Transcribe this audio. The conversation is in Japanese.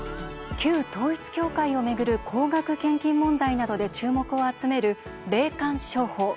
旧統一教会を巡る高額献金問題などで注目を集める霊感商法。